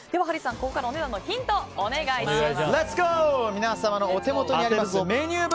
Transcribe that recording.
ここからお値段のヒントをお願いします。